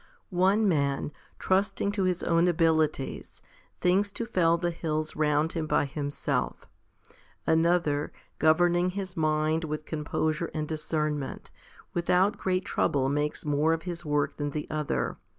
4. One man, trusting to his own abilities, thinks to fell the hills round him by himself; another, governing his mind with composure and discernment, without great trouble makes more of his work than the other.